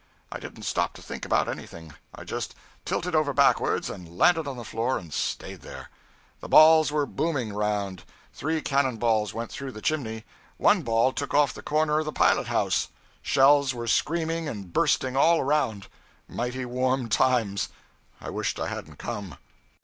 I didn't stop to think about anything, I just tilted over backwards and landed on the floor, and staid there. The balls came booming around. Three cannon balls went through the chimney; one ball took off the corner of the pilot house; shells were screaming and bursting all around. Mighty warm times I wished I hadn't come.